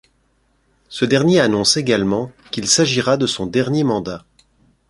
Ce dernier annonce également qu'il s'agira de son dernier mandat.